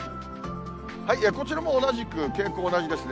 こちらも同じく、傾向同じですね。